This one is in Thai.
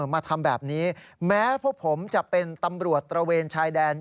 มาทำแบบนี้แม้พวกผมจะเป็นตำรวจตระเวนชายแดน